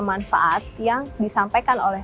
manfaat yang disampaikan oleh